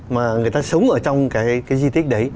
mà người ta sống ở trong cái di tích đấy